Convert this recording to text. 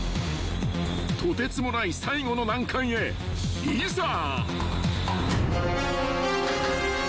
［とてつもない最後の難関へいざ］